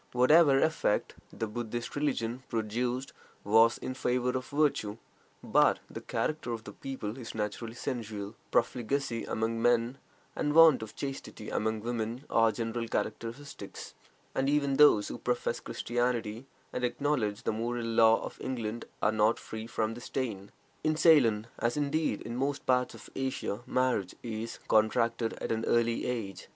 Whatever effect the Buddhist religion produced was in favor of virtue, but the character of the people is naturally sensual; profligacy among men and want of chastity among women are general characteristics, and even those who profess Christianity and acknowledge the moral law of England are not free from this stain. In Ceylon, as, indeed, in most parts of Asia, marriage is contracted at an early age.